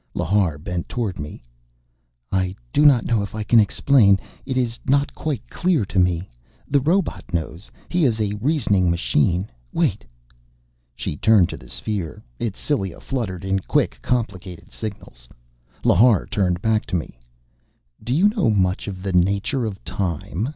Lhar bent toward me. "I do not know if I can explain. It is not quite clear to me. The robot knows. He is a reasoning machine. Wait...." She turned to the sphere. Its cilia fluttered in quick, complicated signals. Lhar turned back to me. "Do you know much of the nature of Time?